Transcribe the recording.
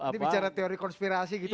ini bicara teori konspirasi gitu